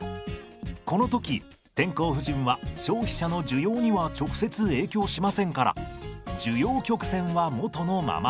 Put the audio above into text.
この時天候不順は消費者の需要には直接影響しませんから需要曲線はもとのままです。